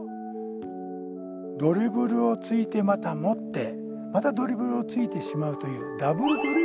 ドリブルをついてまた持ってまたドリブルをついてしまうというダブルドリブルという反則。